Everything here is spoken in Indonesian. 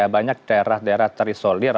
banyak daerah daerah terisolir